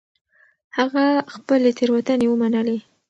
هغه خپلې تېروتنې ومنلې.